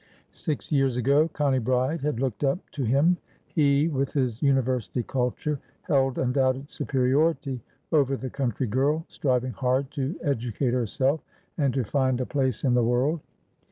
Six years ago Connie Bride had looked up to him; he, with his University culture, held undoubted superiority over the country girl striving hard to educate herself and to find a place in the world.